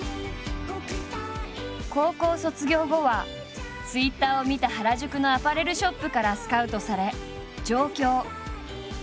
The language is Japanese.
高校卒業後はＴｗｉｔｔｅｒを見た原宿のアパレルショップからスカウトされ上京。